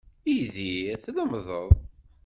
Idir tlemdeḍ.